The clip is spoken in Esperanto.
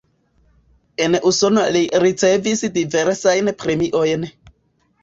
En Usono li ricevis diversajn premiojn.